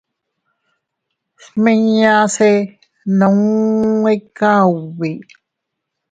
Smiñase nuu ika ubi.